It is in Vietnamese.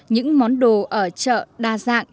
những món đồ ở chợ đa dạng